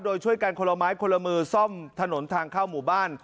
โดยช่วยกันคนละไม้คนละมือซ่อมถนนทางเข้าหมู่บ้าน